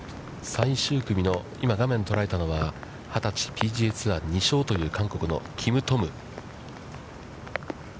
最終組の、今、画面が捉えたのは、二十、ＰＧＡツアー２勝という韓国のキムトム。